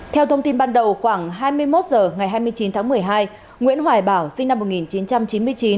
theo thông tin ban đầu khoảng hai mươi một h ngày hai mươi chín tháng một mươi hai nguyễn hoài bảo sinh năm một nghìn chín trăm chín mươi chín